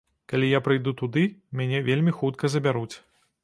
Калі я прыйду туды, мяне вельмі хутка забяруць.